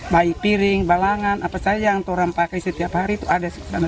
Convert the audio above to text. baik piring balangan apa saja yang orang pakai setiap hari itu ada di sana